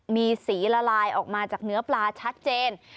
มีสีละลายออกมาจากเนื้อปลาชัดเจน